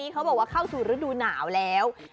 เขาบอกว่าเข้าสู่ฤดูหนาวแล้ว